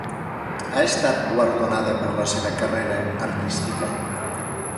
Ha estat guardonada per la seva carrera artística?